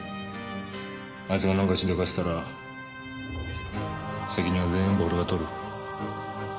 あいつが何かしでかしたら責任は全部俺が取る。